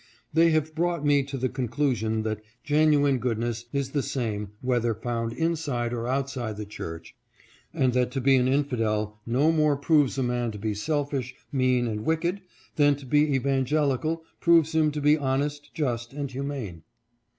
They have brought me to the conclu sion that genuine goodness is the same, whether found inside or outside the church, and that to be an " infidel " no more proves a man to be selfish, mean, and wicked, than to be evangelical proves him to be honest, just, and humane.